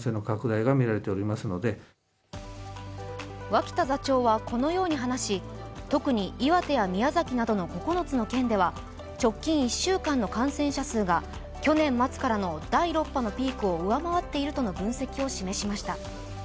脇田座長はこのように話し特に岩手や宮崎などの９つの県では直近１週間の感染者数が去年末からの第６波のピークを上回っているとの分析を示しました。